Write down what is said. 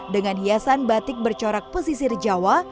dengan hiasan batik bercorak pesisir jawa